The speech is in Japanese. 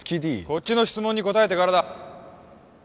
こっちの質問に答えてからだ！